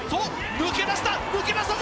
抜け出したぞ！